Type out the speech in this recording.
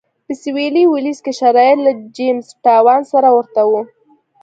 په سوېلي ویلز کې شرایط له جېمز ټاون سره ورته و.